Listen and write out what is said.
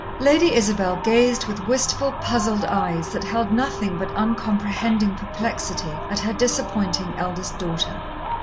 Lady Isabel gazed with wistful, puzzled eyes that held nothing but uncomprehending perplexity at her disappointing eldest daughter.